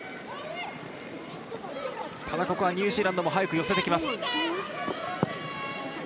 ここはニュージーランド、速く寄せて来ます。